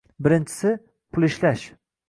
Birinchisi – pul ishlash.